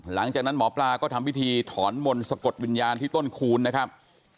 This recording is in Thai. หลังจากนั้นหมอปลาก็ทำพิธีถอนมนต์สะกดวิญญาณที่ต้นคูณนะครับ